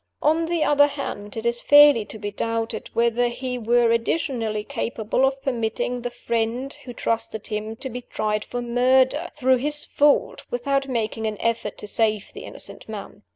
On the other hand, it is fairly to be doubted whether he were additionally capable of permitting the friend who trusted him to be tried for murder, through his fault, without making an effort to save the innocent man.